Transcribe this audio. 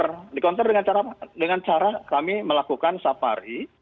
ini dikonter dengan cara kami melakukan safari